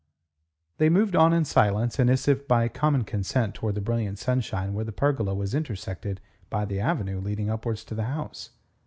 They moved on in silence and as if by common consent towards the brilliant sunshine where the pergola was intersected by the avenue leading upwards to the house.